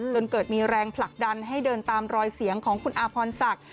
จนเกิดมีแรงผลักดันให้เดินตามรอยเสียงของคุณอาพรศักดิ์